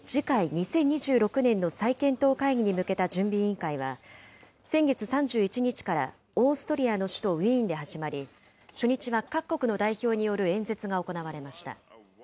２０２６年の再検討会議に向けた準備委員会は、先月３１日からオーストリアの首都ウィーンで始まり、初日は各国の代表による演説が行われました。